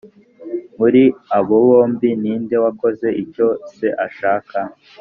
muri abo bombi ni nde wakoze icyo se ashaka?’